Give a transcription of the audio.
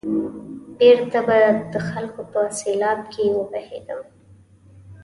بېرته به د خلکو په سېلاب کې وبهېدم.